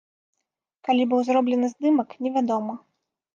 Калі быў зроблены здымак, невядома.